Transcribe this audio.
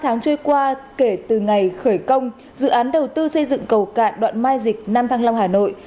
sáu tháng trôi qua kể từ ngày khởi công dự án đầu tư xây dựng cầu cạn đoạn mai dịch nam thăng long hà nội